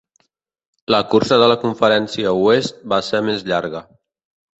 La cursa de la Conferència Oest va ser més llarga.